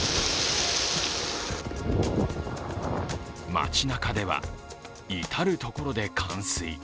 街なかでは至るところで冠水。